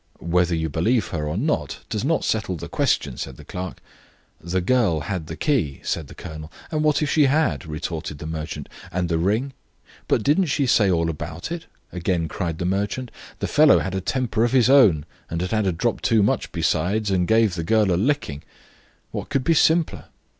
"Whether you believe her or not does not settle the question," said the clerk. "The girl had the key," said the colonel. "What if she had?" retorted the merchant. "And the ring?" "But didn't she say all about it?" again cried the merchant. "The fellow had a temper of his own, and had had a drop too much besides, and gave the girl a licking; what could be simpler?